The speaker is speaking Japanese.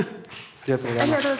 ありがとうございます。